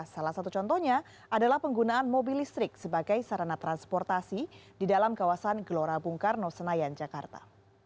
salah satu contohnya adalah penggunaan mobil listrik sebagai sarana transportasi di dalam kawasan gelora bung karno senayan jakarta